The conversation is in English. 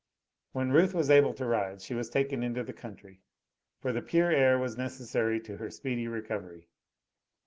When Ruth was able to ride she was taken into the country, for the pure air was necessary to her speedy recovery.